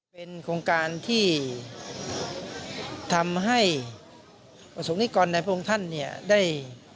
เป็นโครงการที่ทำให้ประสงค์นิกรในพระองค์ท่านเนี่ยได้